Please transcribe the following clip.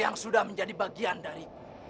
yang sudah menjadi bagian dari